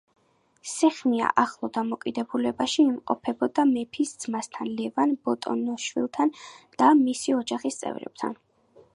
სეხნია ახლო დამოკიდებულებაში იმყოფებოდა მეფის ძმასთან ლევან ბატონიშვილთან და მისი ოჯახის წევრებთან.